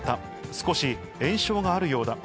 少し炎症があるようだ。